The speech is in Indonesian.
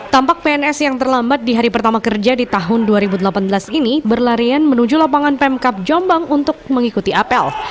tampak pns yang terlambat di hari pertama kerja di tahun dua ribu delapan belas ini berlarian menuju lapangan pemkap jombang untuk mengikuti apel